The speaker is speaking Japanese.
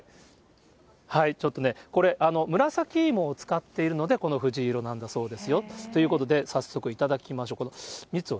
ちょっとね、これ紫芋を使っているので、この藤色なんだそうですよ。ということで、早速頂きましょう。